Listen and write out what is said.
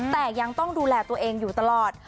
แต่ยังต้องดูแลตัวเองอยู่ตลอด